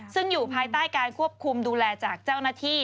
ซึ่งอยู่ภายใต้การควบคุมดูแลจากเจ้าหน้าที่